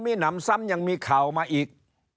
มีหนำซ้ำยังมีข่าวมาอีก